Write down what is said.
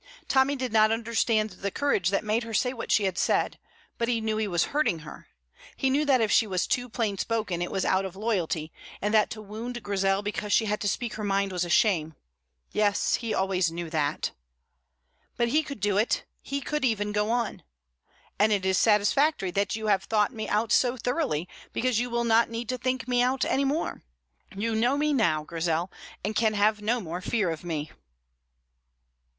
Tommy did not understand the courage that made her say what she had said, but he knew he was hurting her; he knew that if she was too plain spoken it was out of loyalty, and that to wound Grizel because she had to speak her mind was a shame yes, he always knew that. But he could do it; he could even go on: "And it is satisfactory that you have thought me out so thoroughly, because you will not need to think me out any more. You know me now, Grizel, and can have no more fear of me."